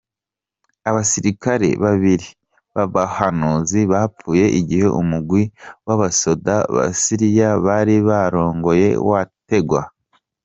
Abasirikare babiri b'abahanuzi bapfuye igihe umugwi w'abasoda ba Siriya bari barongoye wategwa.